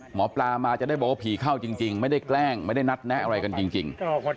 หมอปลามาจะได้บอกว่าผีเข้าจริงไม่ได้แกล้งไม่ได้นัดแนะอะไรกันจริง